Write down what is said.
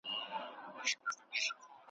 زما ځالۍ چي یې لمبه کړه د باغوان کیسه کومه ,